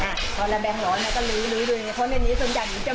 เขาก็เอาพรี่แบงค์ให้ดูแบงค์พันธุ์ได้ไหม